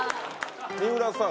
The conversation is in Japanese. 三浦さん